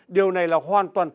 điều này là hoàn toàn tốt